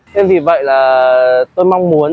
nên vì vậy là tôi mong muốn